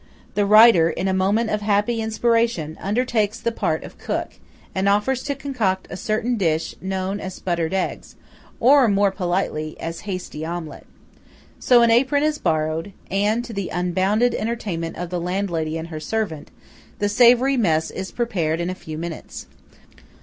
The writer, in a moment of happy inspiration, undertakes the part of cook, and offers to concoct a certain dish known as "buttered eggs," or, more politely, as "hasty omelette." So an apron is borrowed and, to the unbounded entertainment of the landlady and her servant, the savoury mess is prepared in a few minutes.